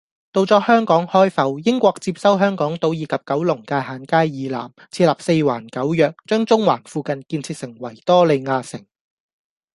到咗香港開埠，英國接收香港島以及九龍界限街以南，設立四環九約，將中環附近建設成維多利亞城